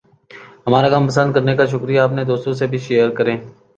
ہمارا کام پسند کرنے کا شکریہ! اپنے دوستوں سے بھی شیئر کریں۔